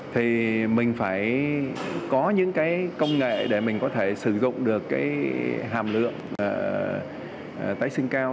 thì mình phải có những cái công nghệ để mình có thể sử dụng được cái hàm lượng tái sinh cao